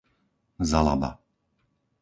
Zalaba